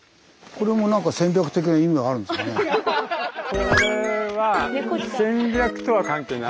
これは戦略とは関係ない。